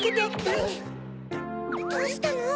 どうしたの？